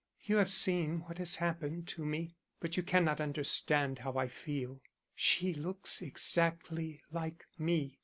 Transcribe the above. You have seen what has happened to me, but you cannot understand how I feel. _She looks exactly like me.